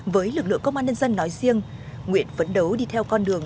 với lực lượng công an nhân dân nói riêng nguyện phấn đấu đi theo con đường